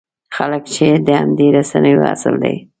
خلک چې د همدې رسنیو اصل دی.